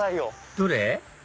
どれ？